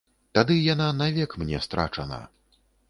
Тады яна навек мне страчана.